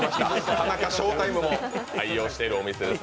田中ショータイムも採用しているお店です。